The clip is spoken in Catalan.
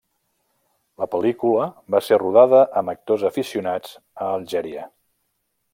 La pel·lícula va ser rodada amb actors aficionats a Algèria.